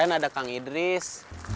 kemarin ada kang idris